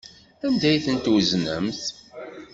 Anda ay ten-tweznemt?